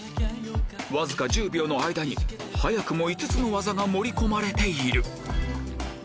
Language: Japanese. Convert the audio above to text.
わずか１０秒の間に早くも５つの技が盛り込まれている